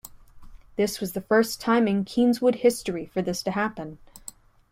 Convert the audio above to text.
This was the first time in Kingswood history for this to happen.